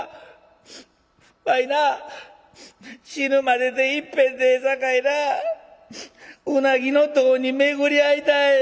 わいな死ぬまででいっぺんでええさかいなうなぎの胴に巡り合いたい！」。